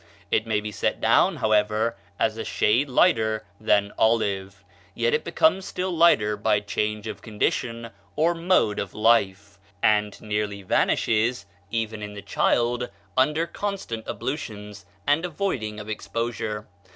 It may be set down, however, as a shade lighter than olive; yet it becomes still lighter by change of condition or mode of life, and nearly vanishes, even in the child, under constant ablutions and avoiding of exposure.